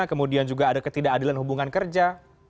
kemudian juga ada ketidakadilan hubungan kerja